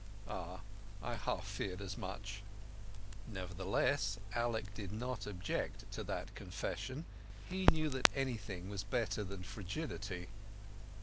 "Ah, I half feared as much." Nevertheless, Alec did not object to that confession. He knew that anything was better then frigidity.